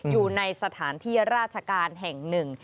อยู่ในสถานที่ราชการแห่งหนึ่ง